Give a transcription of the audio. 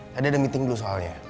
tadi ada meeting dulu soalnya